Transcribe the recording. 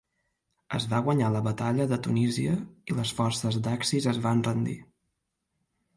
Es va guanyar la batalla de Tunísia i les forces d'Axis es van rendir.